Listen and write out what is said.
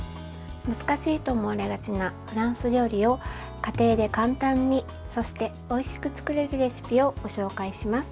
難しいと思われがちなフランス料理を家庭で簡単に、そしておいしく作れるレシピをご紹介します。